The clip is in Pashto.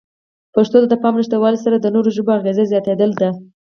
پښتو ته د پام نشتوالې سره د نورو ژبو اغېزه زیاتېدلې ده.